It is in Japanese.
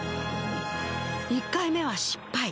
１回目は失敗。